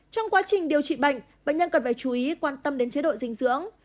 trong quá trình điều trị bệnh bệnh nhân cần phải chú ý quan tâm đến chế độ dinh dưỡng